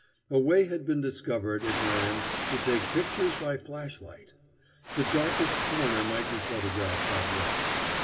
A way had been discovered, it ran, to take pictures by flashlight. The darkest corner might be photographed that way.